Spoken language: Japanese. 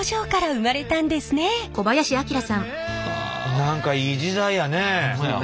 何かいい時代やね。